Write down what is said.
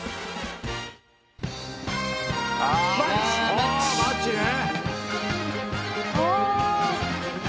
あマッチね！